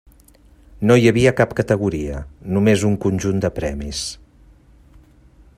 No hi havia cap categoria, només un conjunt de premis.